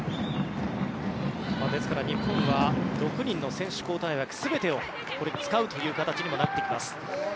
ですから、日本は６人の選手交代枠全てをこれに使うという形になっていきます。